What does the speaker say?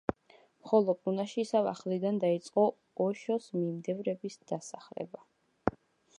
ხოლო პუნაში ისევ ახლიდან დაიწყო ოშოს მიმდევრების დასახლება.